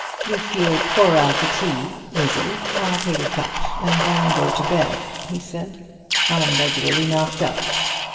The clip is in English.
"If you'll pour out the tea. Izzie, I'll take a cup, and then go to bed," he said; "I'm regularly knocked up."